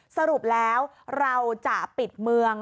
สรุปแล้วเราจะปิดเมือง